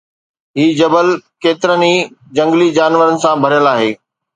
هي جبل ڪيترن ئي جهنگلي جانورن سان ڀريل آهي